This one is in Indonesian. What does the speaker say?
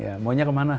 iya maunya kemana nanti